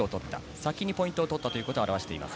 先にポイント取ったということを表しています。